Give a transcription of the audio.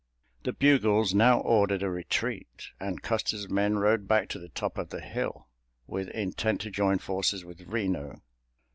The bugles now ordered a retreat, and Custer's men rode back to the top of the hill—with intent to join forces with Reno.